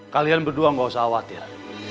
kalian berdua gak usah khawatir